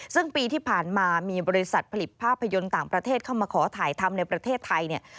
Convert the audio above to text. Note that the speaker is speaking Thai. ซึ่งปีที่ผ่านมามีบริษัทผลิตภาพยนตร์ต่างประเทศเข้ามาขอถ่ายทำในประเทศไทยเนี่ย